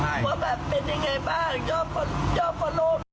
ว่าแบบเป็นยังไงบ้างชอบคนโลก